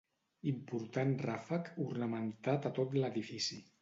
Important ràfec ornamentat a tot l'edifici.